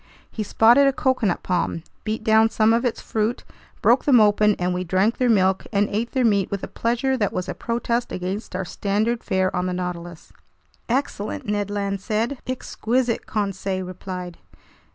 He spotted a coconut palm, beat down some of its fruit, broke them open, and we drank their milk and ate their meat with a pleasure that was a protest against our standard fare on the Nautilus. "Excellent!" Ned Land said. "Exquisite!" Conseil replied.